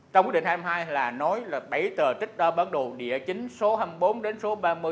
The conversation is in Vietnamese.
trong quyết định hai mươi hai là nói là bảy tờ trích đo bản đồ địa chính số hai mươi bốn đến số ba mươi